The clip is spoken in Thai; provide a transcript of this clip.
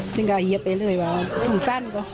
จึงก็เหี้ยไปเลยว่าขำสั้นก็